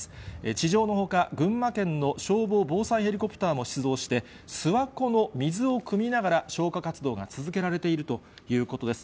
地上のほか、群馬県の消防防災ヘリコプターも出動して、諏訪湖の水をくみながら、消火活動が続けられているということです。